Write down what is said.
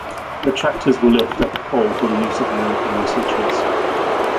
The tractors were left at the pole for the use of American researchers.